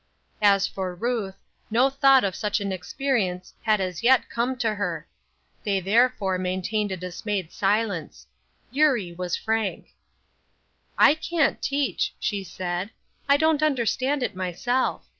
As for Ruth, no thought of such an experience had as yet come to her. They, therefore, maintained a dismayed silence. Eurie was frank. "I can't teach," she said; "I don't understand it myself.